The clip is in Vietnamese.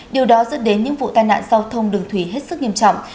điều đó dẫn đến những vụ tai nạn giao thông đường thủy hết sức nghiêm trọng